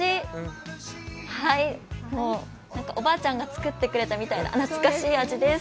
おばあちゃんが作ってくれたみたいな懐かしい味です。